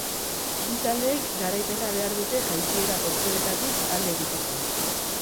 Bi taldeek garaipena behar dute jaitsiera postuetaik alde egiteko.